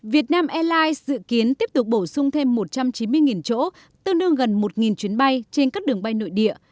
việt nam airlines dự kiến tiếp tục bổ sung thêm một trăm chín mươi chỗ tương đương gần một chuyến bay trên các đường bay nội địa